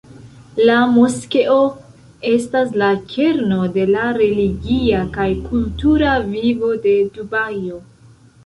La moskeo estas la kerno de la religia kaj kultura vivo de Dubajo.